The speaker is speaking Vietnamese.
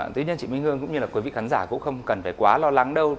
tuy nhiên chị minh hương cũng như là quý vị khán giả cũng không cần phải quá lo lắng đâu